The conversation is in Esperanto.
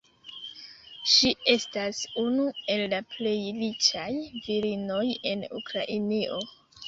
Ŝi estas unu el la plej riĉaj virinoj en Ukrainio.